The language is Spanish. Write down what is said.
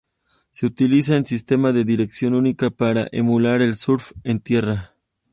Se utiliza un sistema de dirección única para emular el surf en tierra.